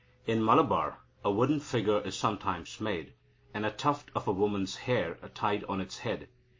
In Malabar, a wooden figure is sometimes made, and a tuft of a woman's hair tied on its head.